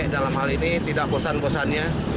dalam hal ini tidak bosan bosannya